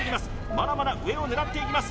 まだまだ上を狙っていきます